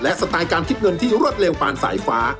สไตล์การคิดเงินที่รวดเร็วปานสายฟ้า